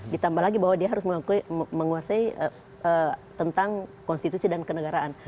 ditambah lagi bahwa dia harus menguasai tentang konstitusi dan kenegaraan